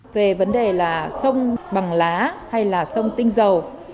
về vấn đề là sông bằng lá hay là sông tinh dầu